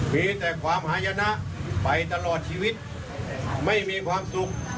มีแต่ความหายนะไปตลอดชีวิตไม่มีความสุข